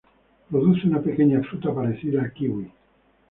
Produce una pequeña fruta parecida al kiwi.